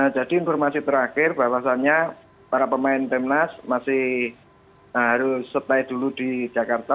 jadi informasi terakhir bahwasannya para pemain timnas masih harus setelah dulu di jakarta